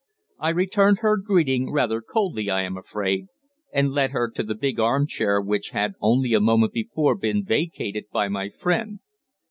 I returned her greeting, rather coldly I am afraid, and led her to the big armchair which had only a moment before been vacated by my friend.